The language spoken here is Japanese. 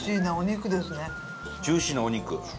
ジューシーなお肉。